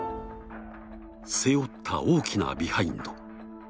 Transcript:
背負った大きなビハインド。